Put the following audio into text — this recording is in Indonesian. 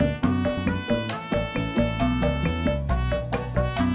namanya tak bisa lebih jelek azan